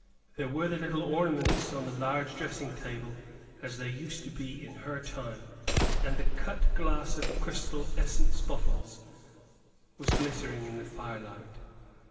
There were the little ornaments on the large dressing table, as they used to be in her time; and the cut glass of crystal essence bottles was glittering in the firelight.